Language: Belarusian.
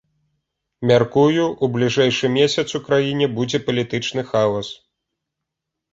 Мяркую, у бліжэйшы месяц у краіне будзе палітычны хаос.